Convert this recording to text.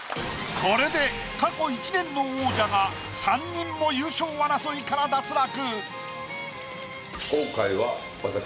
これで過去１年の王者が３人も優勝争いから脱落。